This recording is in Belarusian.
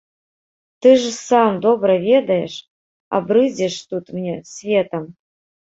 Ты ж сам добра ведаеш, а брыдзіш тут мне светам!